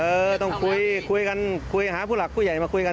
เออต้องคุยคุยกันคุยหาผู้หลักผู้ใหญ่มาคุยกัน